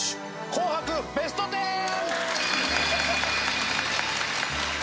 紅白ベストテン！